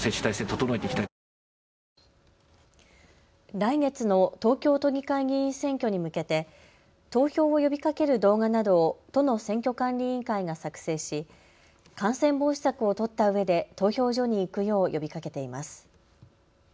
来月の東京都議会議員選挙に向けて投票を呼びかける動画などを都の選挙管理委員会が作成し感染防止策を取ったうえで投票所に行くよう呼びかけています。